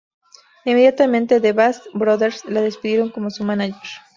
Inmediatamente, The Basham Brothers la despidieron como su mánager.